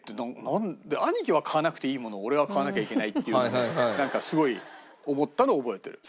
兄貴は買わなくていいものを俺は買わなきゃいけないっていうのでなんかすごい思ったのは覚えてる。